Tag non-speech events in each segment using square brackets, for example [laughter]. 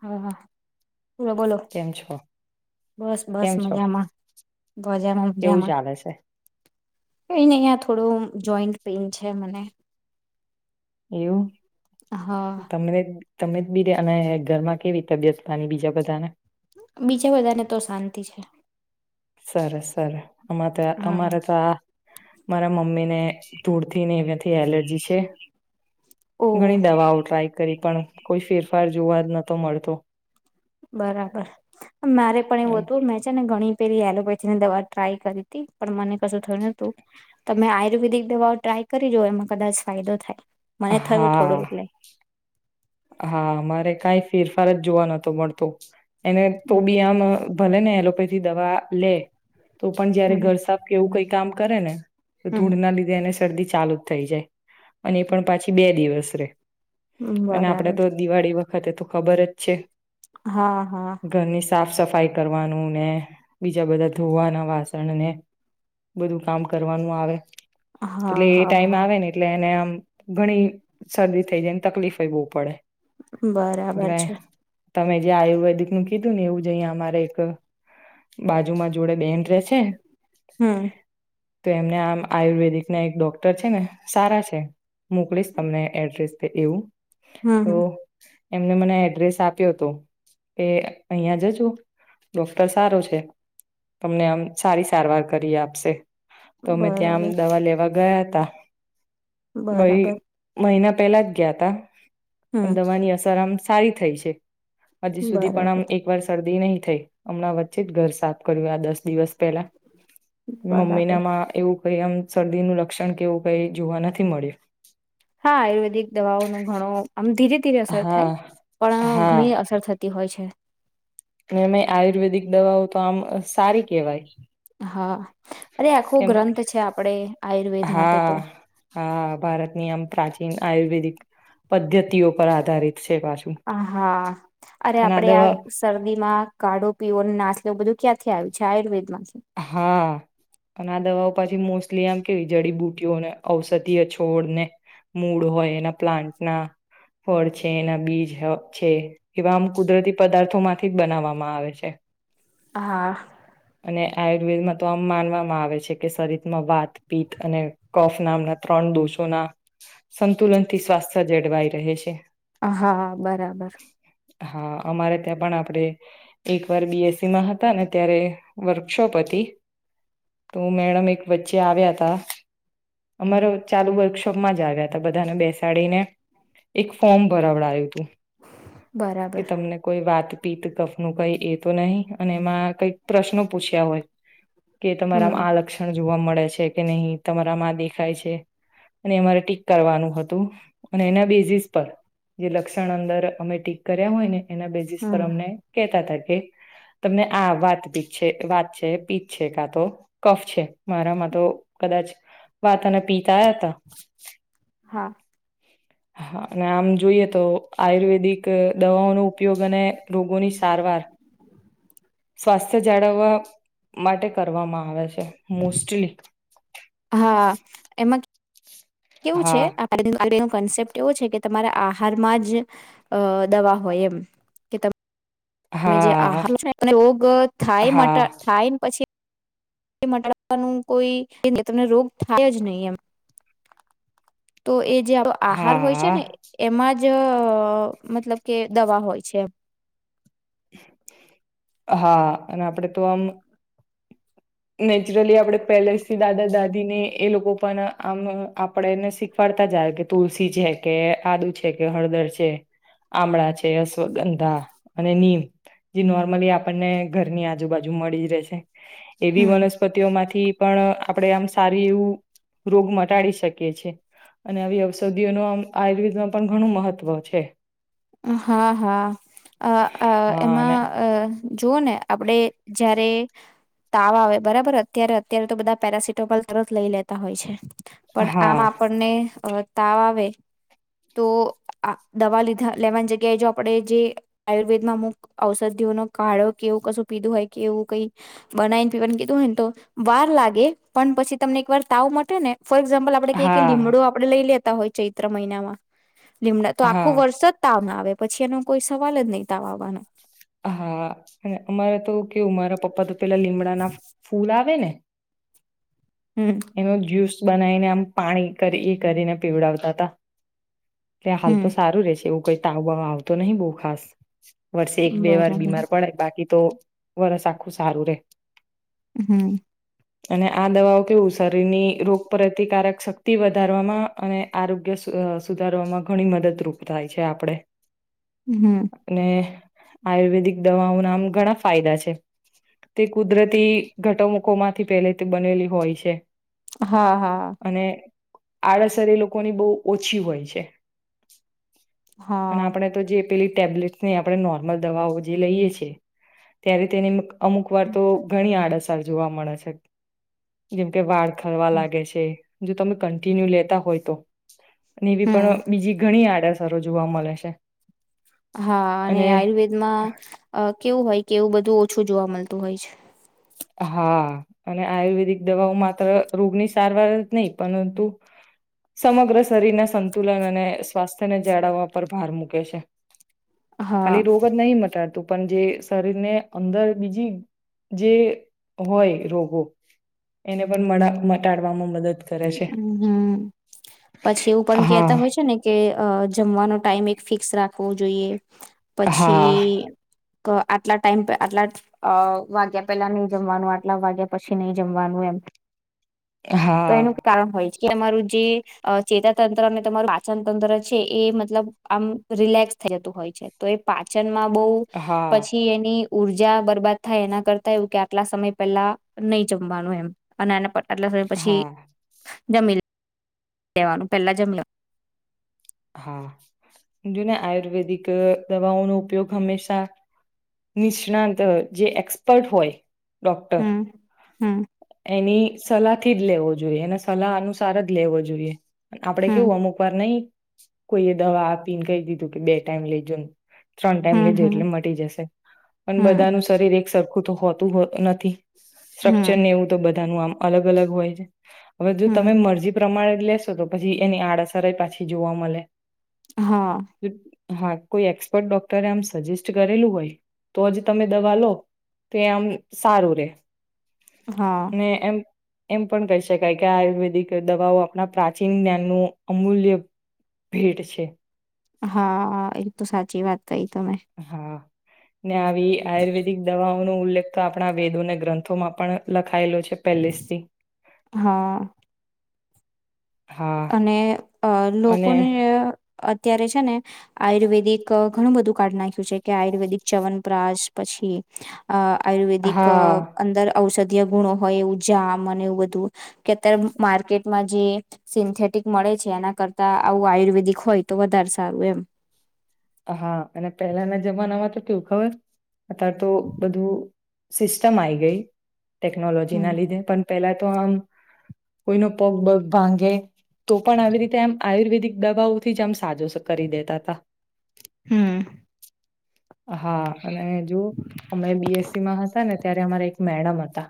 હા હા શું છ બોલો કેમ છો બસ બસ કેમ છો મજામાં મજામાં કેવું મજામાં. ચાલે છે કઈ ન અહિયાં થોડું જોઈન્ટ પેઇન છે મને. એવું. હા તમને. તમે બી અને ઘરમાં કેવી તબિયત અને બીજા બધા ને. બીજા બધાને તો શાંતિ છે. સરસ સર આ તો હા અમારે તો આ મારા મમ્મીને ધૂળથી ને. એલર્જી છે ઓ ઘણી દવાઓ ટ્રાય કરી પણ કોઈ ફેર ેફાર જોવા જ નતો મળતો. બરાબર મારે પણ એવું હતું મેં છે ને ઘણી. પેલી એલોપેથી ની દવા ટ્રાય કરી હતી પણ મને કશું થયું નતું તમે આયુર્વેદિક દવાઓ ટ્રાય કરી જોઑ એમાં કદાચ ફાયદો થાય. મને થયું થોડું હા એટલે. હા મારે કઈ ફેરફાર જ જોવા નતો મળતો. એને તો બી હમ આમ ભલે ને એલોપે. થી દવા લે. તો પણ જયારે હમ ઘર સાફ કેવું કઈ. કામ કરે ને. તો ધૂણ ના લીધેને. શરદી ચાલુ જ થઈ જાય અને એ પણ પાછી બે દિવસ રે. હમ અને આપડે બરાબર તો દિવાળી વ. વખતે તો ખબર જ છે. હા હા. ઘરની સાફ સફાઈ કરવાનું ને બીજા બધા ધોવાના વાસણ ને બધું કામ કરવાનું આવે. હા એટલે એ હા ટાઈમ હા આવે ને એટલે એને આમ. ઘણી શરદી થઈ જાય તકલીફ. કવું પડે. બરાબર એટલે છે. તમે જે આયુર્વેદિક નું કીધું ને એવું જ અહીંયા અમારે એક બાજુમાં જોડે બે્રેસ. હમ. તો એમને આમ આયુર્વેદિક ના એક ડોક્ટર છે ને સારા છે મોકલીશ તમને એડ્રેસ એવું. હમ તો. હમ એમને મને એડ્રેસ આપ્યો હતો, કે અહં જજો ડોક્ટર સારો છે, તમને આમ સારી સારવાર કરી આપશે. તો અમે ત્યાં બરાબર આમ દવા લેવા. ગયા હતા. ભાઈ બરાબર મહિના પહેલા જ ગયતા પણ હમ દવા ની અસર આમ સારી થઈ છે. હજી સુધી પણ બરાબર આમ એક વાર શદી નહી થઈ, હમણાં વચ્ચે જ ઘર સાફ કર્યું આ દસ દિવસ પહેલા મમ્મી બરાબર ના માં એવું કઈ આમ શરદી નું લક્ષણ કેવું કઈ જોવા નથી મળ્યું. હા, આયુર્વેદિક દવાઓ ન ઘણો આમ ધીરે ધીરે અસર હા થાય પણ હા ઘણી અસર થતી હોય છે. એ આયુર્વેદિક દવાઓ તો આમ સારી કેહેવાય, હા અરે આખો ગ્રંથ છે, આપડે આયુર્વેદ માટે તો હા હા ભારતની આમ પ્રાચીન આયુર્વેદિક પદ્ધતિઓ પર આધારિત છે પાછું આ હા અરે અને આપડે આ દવા શરદીમાં કાઢો પીવો અને નાસ્ બધું ક્યાંથીય છે, આયુર્વેદ માંથી હા, પણ આ દવાઓ પછી મોસ્ટલી આમ કેવી જડીબુટીઓને ઔષધીય છોડ ને મૂળ હોય એના પ્લાન્ટના ફળ છે, એના બીજ છે એવા આમ કુદરતી પદાર્થો માંથી જ બનાવવામાં આવે છે. હા અને આયુર્વેદમાં તો આમ માનવામાં આવે છે, કે શરીરમાં વાત પીત અને કફ નામના ત્રણ દોષોના સંતુલન થી સ્વાસ્થ્ય જળવાઈ રહે છે. હા બરાબર હા, અમારે ત્યાં પણ આપડે એક વાર બીએસસીમાં હતા ને ત્યારે વર્કશોપ હતી તો મેડમ એક વચ્ચે આવ્યા હતા અમારા ચાલુ વર્કશોપમાં જ આવ્યા હતા બધાને બેસાડીને એક ફોર્મ ભરવડ આવ્યું હતું. કે બરાબર તમને કોઈ વાત પિત કફ નું કઈ એ તો નહીિ અને એમાં કઈક પ્રશ્નો પૂછ્યા હોય કે તમારામ હમ આ લક્ષણ જોવા મળે, છે કે નહી તમારા માં દેખાય છે, અને અમારે ટીક કરવાનું હતું અને એના બેઝિસ પર જે લક્ષણ અંદર અમે ટીક કર્યા હોય ને એના બેઝિસ પર હમ અમને કહેતા હતા. તમને આ વાત પી છે વાત છે, પીત છે કા તો કફ છે મારામાં તો કદાચ વાત અને પીત આયા હતા, હા. હા અને આમ જોઈએ તો આયુર્વેદિક દવાઓનો ઉપયોગ અને રોગોની સારવાર સ્વાસ્થ્ય જાળવવા માટે કરવામાં આવે છે મોસ્ટલી હા એમાં કેવું છે હા [unintelligible] કનસેપટ એવો છે કે તમારે આહારમાં જ દવા હોય એમ તમે જે હા આહાર રોગ થાય માટે હા થાયને [unintelligible] પછી એ મટાડવાનું કોઈ તમને રોગ થાય જ નહી એમ તો એ જે આપો આહાર હોય છે હા ને એમાં જ જ મતલબ કે દવા હોય છે. હા અને આપડે તો આમ નેચરલી આપણેે પેલેસથી દાદા દાદી ને એ લોકો પણ આમ આપડેને શીખવાડતા જાય કે તુલસી છે કે આદુ છે કે હળદર છે આમળા છે અશ્વગંધા અને નીમ જે નોર્મલી આપણને ઘરની આજુબાજુ મળી જ રહેશે. એવી હમ વનસ્પતિઓ માંથી પણ આપણે આમ સારી એવું રોગ મટાડી શકીએ છેએ અને આવી ઔષધિઓ ન આમ આયુર્વેદમાં પણ ઘણું મહત્વ છે. હા હા અ હા એમાં અને અ જોઓ ને આપડે જયારે તાવા આવે બરાબર અત્યારે અત્યારે તો બધા પેરાસિટામોલ તરત લઈ લેતા હોય છે. પણ આમ હા આપણને અ તાવ આવે તો દવા લીધા લેવાની જગ્યાએ જો આપડે જે આયુર્વેદમાં અમુક ઔષધિઓનો કાળો કે એવું કશું પીધું હોય કે એવું કઈ બનાવીને પીવા કીધું હોયને તો વાર લાગે પણ પછી તમને એક વાર તાવ મટે ને ફોર એક્ષામ્પલ આપણે કએ હા લીમડું આપણે લઈ લએ હોય છે ચૈત્ર્ર મહિનામાં લીમડા તો હા આખું વર્ષ જ તાવ ના આવે પછી એનો કોઈ સવાલ જ નહી તાવ આવવાનો. હા અને અમારા તો કેવું મારા પપ્પા તો પેલા લીમડાના ફૂલ આવે ને હમ એનો જ્યુસ બનાવીને આમ પાણી કરી કરીને પીવડાવતા હતા. એલે હાલ હમ તો સારું રહેશે એવું કઈ તાવ વાવ આવતો નહી બહુ ખાસ. વર્ષે એક બે વાર બરાબર બીમાર પડે બાકી તો વરસ આખું સારું રે. હમ્મ અને આ દવાઓ કેવું છે શરીરની રોગપતિકારક શક્તિ વધારવામાં અને આરોગ્ય સ સુધારવામાં ઘણી મદદરૂપ થાય છે આપડે. હમ અને આયુર્વેદિક દવાઓના આમ ઘણા ફાયદા છે તે કુદરતી ઘટમુકોમાંથી પહેલે તે બનેલી હોય છે. હા હા. અને આડઅસર એ લોકોની બહુ ઓછી હોય છે. અને હા આપણેે તો જે પેલી ટેબ્લેટને આપણે નોર્મલ દવાઓ જે લઈએ છીએ ત્યારે તેને અમુક વાર તો ઘણી આડત જોવા મળે છે જેમકે વાળ ખરવા લાગે છે. જો તમે કન્ટિન્યુ લેતા હોય તો. અને એવી હમ પણ બીજી ઘણી આડઅસ સારો જોવા મળે છે. હા અને આયુર્વેદમાં અ કેવું હોય કે એવું બધું ઓછું જોવા મળતું હોય છે. હા અને આયુર્વેદિક દવાઓ માત્ર રોગની સારવાર જ નહી પરંતુ સમગ્ર શરીરના સંતુલન અને સ્વાસ્થ્યને જાળવવા પર ભાર મૂકે છે. ખાલી હા રોગ જ નહી મટાડતું. પણ જે શરીર ને અંદર બીજી જે હોય રોગો એને પણ મડા મટાડવામાં મદદ કરે છે. હમ્મ પછી એવું પણ કેતા હા હોય છે ને કે અ જમવાનો ટાઈમ એક ફિક્સ રાખવો જોઈએ. હા પછી ક આટલા ટાઈમ આટલા અ વાગ્યા પેલા નહી જમવાનું આટલા વાગ્યા પછી નહી જમવાનું એમ. તો હા એનું કારણ હોય છે. કે અરું જે અ ચેતા તંત્ર અને તમારું પાચન તંત્ર છે એ મતલબ આમ રિલેક્સ થઈ જતું હોય છે તો એ પાચન મા બહ હા પછી એની ઉર્જા બરબાદ થાય એના કરતા એવું કે આટલા સમય પેલા નહી જમવાનું એમ અના પાર એટલા હા. જમીલ લેવાનું પહેલા જમીલો હા જુ ને આયુર્વેદિક દવાઓનો ઉપયોગ હંમેશા નિષ્ણાંત જે એક્સપર્ટ હોય ડોક્ટર હમ હમ એની સલાદ થી જ લેવો જોઈએ એને સલાહ અનુસાર જ લેવો જોઈએ. આપડે હમ કેવું અમુક વાર નહિ કોઈ એ દવા આપીને કહી દીધું કે બે ટાઈમ લઇજોને. ત્રણ ટાઈમ હમ લેજે એટલે હમ મટી જશે પણ હમ બધાનું શરીર એક સરખું તો હોતું હમ નથી એવું બધાનું અલગ અલગ હોય છે હવે જો તમે હમ મરજી પ્રમાણે લેશો તો પછી એની આડઅસરય પાછી જોવા મલે હા હા કોઈ એક્સપર્ટ ડોક્ટરે આમ સજેસ્ટ કરેલું હોય તો જ તમે દવા લો તો એમ સારું રે હા અને એમ એમ પણ કહી શકાય કે આયુર્વેદિક દવાઓ આપણા પ્રાચીન જ્ઞાનનું અમૂલ્ય ભેટ છે. હા એ તો સાચી વાત કહી તમે હા ને આવી આયુર્વેદિક દવા નો ઉલ્લેખ આપણા વેદોને ગ્રંથોમાં પણ લ ખાયલો છે પેલેસથી હા અને અ અને લોકોને અત્યારે ને આયુર્વેદિક ઘણું બધું કાઢ નાખ્યું છે કે આયુર્વેદિક ચવનપ્રાસ પછી અ આયુર્વેદિક હા અંદર ઔષધ જે ગુણો હોય એવું જામ અને એવું બધું કે અત્યારે માર્કેટમાં જે સિન્થેટિક મળે છે એના કરતા આવું આયુર્વેદિક હોય તો વધારે સારું એમ હા અને પહેલાના જમાનામાં તો કેવુ ખબર અતાર તો બધું સિસ્ટમ આઈ ગઈ ટેકનોલોજી હમ ના લીધે પન પેલા તો આમ કોઈનો પગ બગ ભાંગે તો પણ આવી રીતે આમ આયુર્વેદિક દવાઓથી જ આમ સાજો કરી દેતા હતા હમ્મ હા અને જો અમે બી એસ સી માં હતા ને ત્યારે અમારે એક મેડમ હ હતા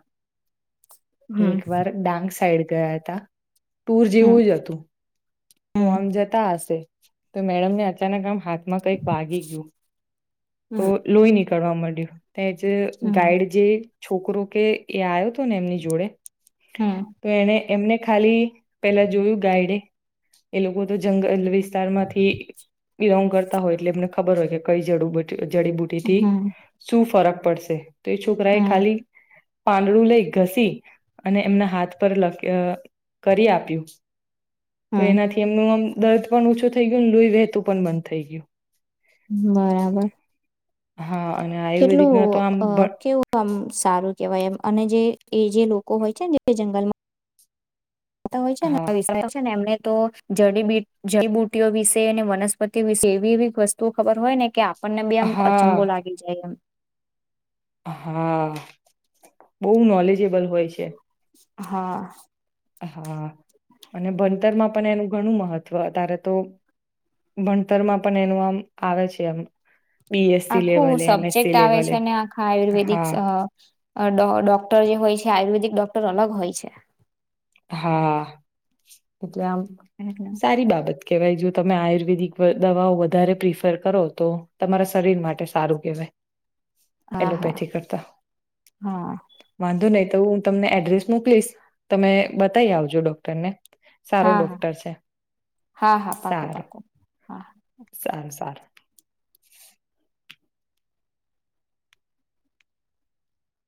હમ એક વાર ડાંગ સાઈડ ગયા હતા ટુર હમ જેવું જ હતું તો હમ આમ જતા હશે તો મેડમને અચાનક આમ હા મા કંઈક વાગી ગયું તો હમ લોહી ની કળવા મડયું તે જે હમ ગાઈડ જે છોકરો કે એ આયો તો ને એમની જોડે હમ તો એને એમને ખાલી પેલા જોયું ગાઈડે એ લોકો તો જંગલ વિ સ્તાર માંથી બીલોંગ ક હોય એટલે એમનેબ હોય, કે કઈઝડું બ જડી બૂટીથી હમ શું ફરક પડશે તો એ છોકરા એ હમ ખાલી પાંદડું લઈ ઘસી અને એમના હાથ પર લ કરી આપ્યું. તો હમ એનાથી એમનું આમ દર્દ પણ ઓછું થઈ ગયયો લોઈ વહેતું પણ બંધ થઈ ગયું, બરાબર હા અને કેટલું આયુર્વેદિકના તો આમ અ બ કેવું આમ સારું કેવાય એમ અને જે એ જે લોકો હોય છે, ને જે જંગલમાં હા હોય છે નેને એમ તો જડી જડીબુટીઓ વિશે અને વનસ્પતિ વિશે એવીવી વસ્તુ ખબર હોય, ને કે આપણને બેી આમ હા અચંબો લાગી જાય એમ હા બહુ નોલેજેબલ હોય છે. હા હા, અને ભણતરમાં પણ એનું ઘણું મહત્ત્વ ત્યારે તો ભણતરમાં પણ એનું આમ આવે છે, એમ બીએસસી આખું લેવલે, સબ્જેક્ટ એમએસસી આવે લેવલે છે, ને આખા આયુર્વેદિક હા, ડોક્ટર જે હોય છે, આયુર્વેદિક ડોક્ટર અલગ હોય છે. હા એટલે આમ સારી બાબત કેવાય જો તમે આયુર્વેદિક દવાઓ વધારે પ્રિફર કરો, તો તમારા શરીર માટે સારું કહેવાય. હા હા એલોપેથી કરતા હા વાંધો નહી, તો હું તમને એડ્રેસ મોકલીશ તમે બતાવી આવજો ડોક્ટર ને સારું હા હા ડોક્ટર છે, હા હા પાકું સારું પાકું હા સારું સારું